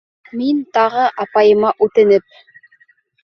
Мин тағы апайыма үтенеп: